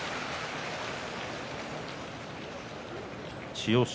千代翔